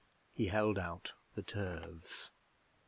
He held out the turves.